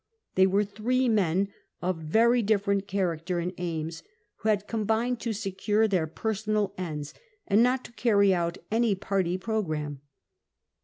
They were three men of very different character and aims, who had combined to secure their personal ends, and not to carry out any party programme.